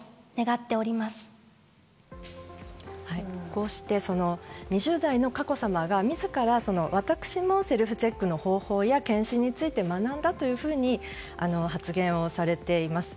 こうして２０代の佳子さまが自ら私もセルフチェックの方法や検診について学んだというふうに発言をされています。